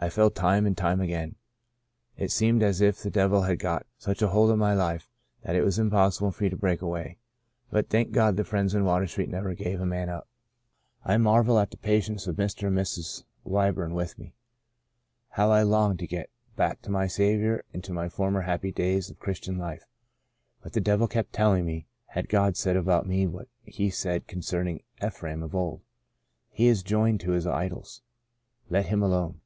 I fell time and time again. It seemed as if the devil had got such a hold upon my life that The Portion of Manasseh 1 1 3 it was impossible for me to break away, but thank God the friends in Water Street never give a man up. I marvel at the patience of Mr. and Mrs. Wyburn with me. How I longed to get back to my Saviour and to the former happy days of Christian life ; but the devil kept telling me God had said about hie what He said concerning Ephraim of old, * He is joined to his idols, let him alone.'